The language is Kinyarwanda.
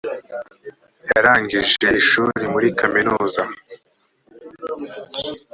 yarangije ishuri muri kaminuza